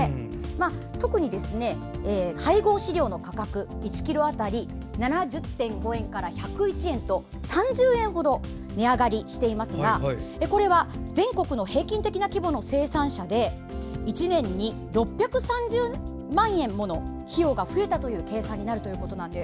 特に配合飼料の価格１ｋｇ当たり７０．５円から１０１円と３０円程値上がりしていますがこれは全国の平均的な規模の生産者で１年に６３０万円もの費用が増えたという計算なんです。